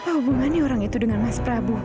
oh hubungannya orang itu dengan mas prabu